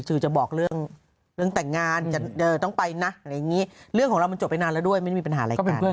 จะจะบอกเรื่องตังงานจะต้องไปน่ะเรื่องของเราจบไปนานแล้วด้วยมีปัญหาในการ